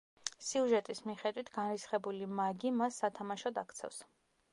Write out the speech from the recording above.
სიუჟეტის მიხედვით, განრისხებული მაგი მას სათამაშოდ აქცევს.